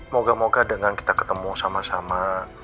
moga moga dengan kita ketemu sama sama